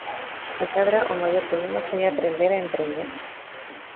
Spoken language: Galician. Se cadra o maior problema foi aprender a emprender.